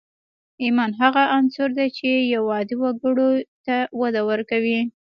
ايمان هغه عنصر دی چې يو عادي وګړي ته وده ورکوي.